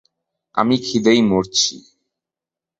আমি ক্ষিদেয় মরছি।